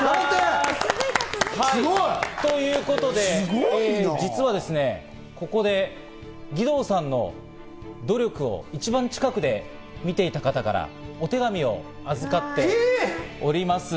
ということで実はですね、ここで義堂さんの努力を一番近くで見ていた方からお手紙を預かっております。